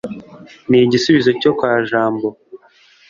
ni igisubizo cyo kwa jambo